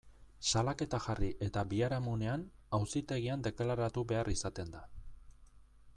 Salaketa jarri eta biharamunean, auzitegian deklaratu behar izaten da.